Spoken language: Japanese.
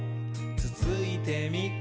つついてみ？」